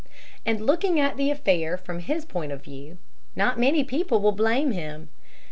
And looking at the affair from his point of view, not many people will blame him.